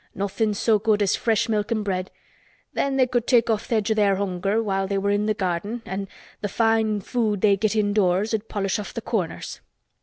Nothin's so good as fresh milk an' bread. Then they could take off th' edge o' their hunger while they were in their garden an' th, fine food they get indoors 'ud polish off th' corners."